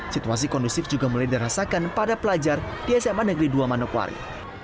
situasi kondusif juga mulai dirasakan pada pelajar di sma negeri dua manokwari